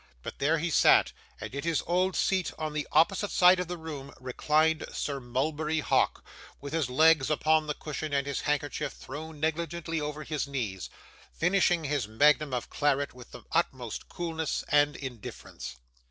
But there he sat; and in his old seat on the opposite side of the room reclined Sir Mulberry Hawk, with his legs upon the cushion, and his handkerchief thrown negligently over his knees: finishing his magnum of claret with the utmost coolness and indifference.